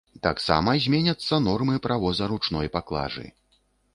Таксама зменяцца нормы правоза ручной паклажы.